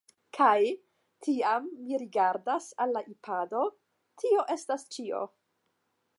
Kaj, tiam, mi rigardas al la ipado: tio estas ĉio.